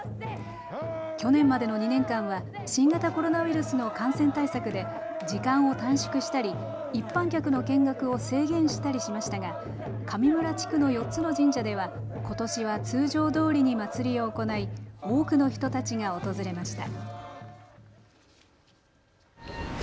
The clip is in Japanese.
去年までの２年間は新型コロナウイルスの感染対策で時間を短縮したり一般客の見学を制限したりしましたが上村地区の４つの神社では、ことしは通常どおりに祭りを行い多くの人たちが訪れました。